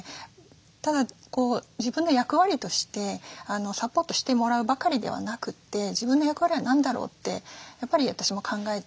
ただ自分の役割としてサポートしてもらうばかりではなくて自分の役割は何だろう？ってやっぱり私も考えたんですね。